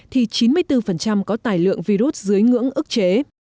thì chín mươi bốn có tài lượng virus dưới ngưỡng ức chế